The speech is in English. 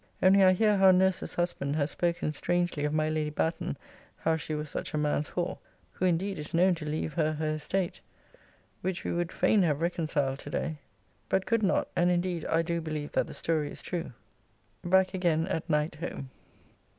Only I hear how nurse's husband has spoken strangely of my Lady Batten how she was such a man's whore, who indeed is known to leave her her estate, which we would fain have reconciled to day, but could not and indeed I do believe that the story is true. Back again at night home.